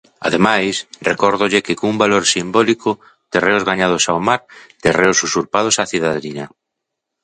Ademais, recórdolle que cun valor simbólico, terreos gañados ao mar, terreos usurpados á cidadanía.